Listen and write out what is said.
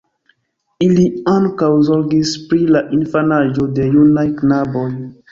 Ili ankaŭ zorgis pri la infanaĝo de junaj knaboj.